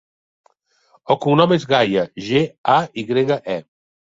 El cognom és Gaye: ge, a, i grega, e.